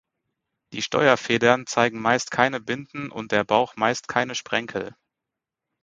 Die Steuerfedern zeigen meist keine Binden und der Bauch meist keine Sprenkel.